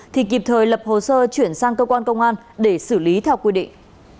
thì kịp thời lập hồ sơ chuyển sang cơ quan công an để xử lý theo quy định